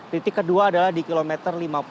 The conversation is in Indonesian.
titik kedua adalah di kilometer lima puluh